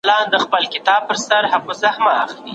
څېړنې باید کروندګرو ته ورسول شي.